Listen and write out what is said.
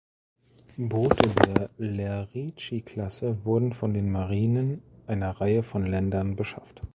Boote der "Lerici"-Klasse wurden von den Marinen einer Reihe von Ländern beschafft.